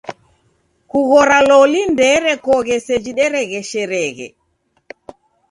Kughora loli ndeerekoghe seji deregheshereghe.